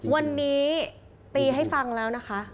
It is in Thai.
วันนี้ตีให้ฟังแล้วนะคะ